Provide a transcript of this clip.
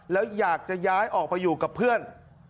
แล้วอยากจะย้ายออกไปอยู่กับเพื่อน